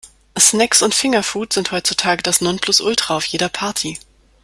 Snacks und Fingerfood sind heutzutage das Nonplusultra auf jeder Party.